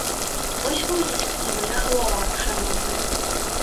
Вось мой ліст і мая галава, шаноўныя.